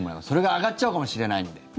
それが上がっちゃうかもしれないので。